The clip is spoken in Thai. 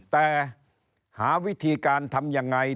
แต่หาวิธีการทำยังไง